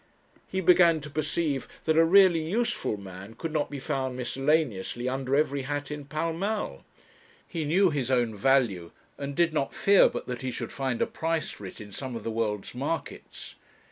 He began to perceive that a really useful man could not be found miscellaneously under every hat in Pall Mall. He knew his own value, and did not fear but that he should find a price for it in some of the world's markets.